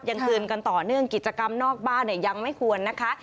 จากคืนกันต่อเนื่องกิจกรรมนอกบ้านเนี่ยยังไม่ควรนะคะ